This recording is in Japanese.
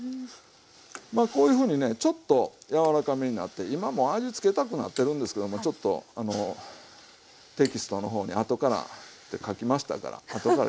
まあこういうふうにねちょっと柔らかめになって今もう味つけたくなってるんですけどもちょっとあのテキストの方に後からって書きましたから後から入れますけども。